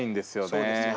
そうですよね。